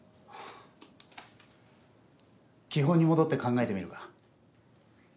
基本に戻って考えてみるか？